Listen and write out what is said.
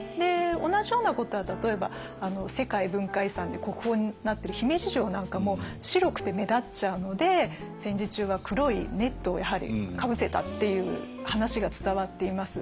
同じようなことは例えば世界文化遺産で国宝になってる姫路城なんかも白くて目立っちゃうので戦時中は黒いネットをやはりかぶせたっていう話が伝わっています。